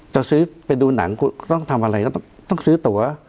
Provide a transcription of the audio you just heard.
จะซื้อไปดูหนังคุณต้องทำอะไรก็ต้องซื้อตัว